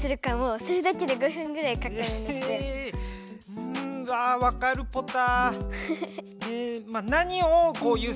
うんあわかるポタ。